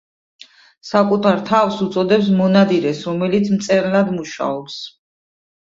საკუთარ თავს უწოდებს მონადირეს, რომელიც მწერლად მუშაობს.